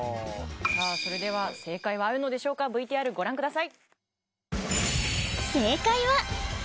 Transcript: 正解はあるのでしょうかＶＴＲご覧ください